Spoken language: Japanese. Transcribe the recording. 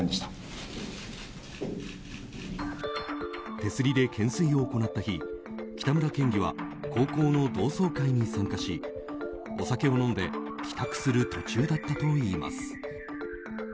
手すりで懸垂を行った日北村県議は高校の同窓会に参加しお酒を飲んで帰宅する途中だったといいます。